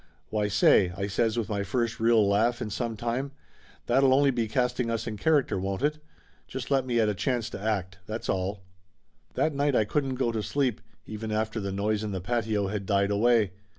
"Why say !" I says with my first real laugh in some time. "That'll only be casting us in character, won't it ? Just let me at a chance to act, that's all !" That night I couldn't go to sleep, even after the noise in the patio had died away.